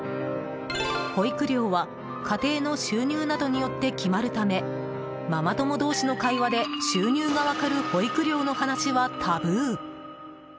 保育料は家庭の収入などによって決まるためママ友同士の会話で収入が分かる保育料の話はタブー。